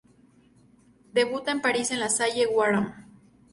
Debuta en París en la Salle Wagram.